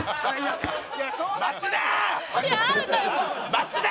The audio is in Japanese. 松田！